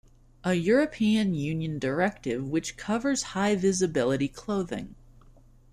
A European Union directive which covers high-visibility clothing.